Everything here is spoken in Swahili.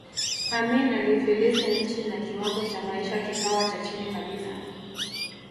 Amin aliifilisi nchi na kiwango cha maisha kikawa cha chini kabisa